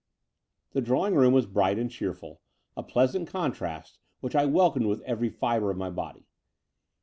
The drawing room was bright and cheerful, a pleasant contrast, which I welcomed with every fibre of my body.